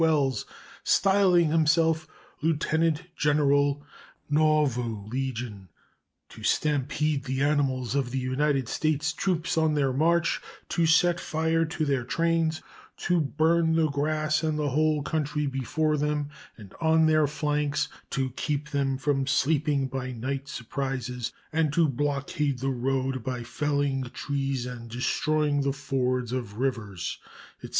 Wells, styling himself "Lieutenant General, Nauvoo Legion," to stampede the animals of the United States troops on their march, to set fire to their trains, to burn the grass and the whole country before them and on their flanks, to keep them from sleeping by night surprises, and to blockade the road by felling trees and destroying the fords of rivers, etc.